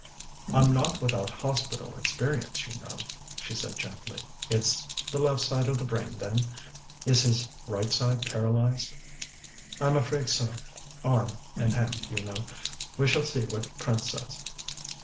"I'm not without hospital experience, you know," she said gently. "It's the left side of the brain, then? Is his right side paralyzed?" "I'm afraid so arm and hand, you know. We shall see what Prince says."